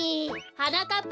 はなかっ